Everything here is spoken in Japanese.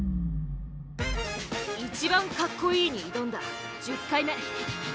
「一番カッコいい」に挑んだ１０回目。